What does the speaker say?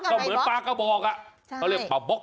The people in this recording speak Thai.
ก็เหมือนปลากระบอกอ่ะเขาเรียกปลาบ๊อก